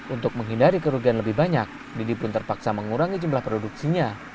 untuk menghindari kerugian lebih banyak didi pun terpaksa mengurangi jumlah produksinya